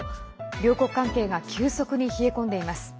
両国関係が急速に冷え込んでいます。